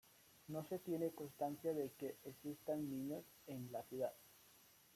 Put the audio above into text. No se tiene constancia de que existan niños en la ciudad.